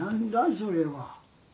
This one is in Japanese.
それは。